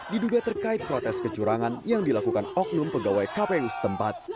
diduga terkait protes kecurangan yang dilakukan oknum pegawai kpu setempat